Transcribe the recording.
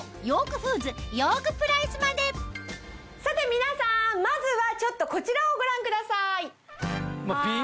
さて皆さんまずはちょっとこちらをご覧ください。